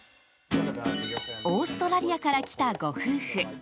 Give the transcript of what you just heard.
オーストラリアから来たご夫婦。